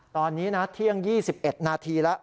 ตอนนี้นะเที่ยง๒๑นาทีแล้ว